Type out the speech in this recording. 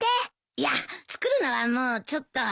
いや作るのはもうちょっと。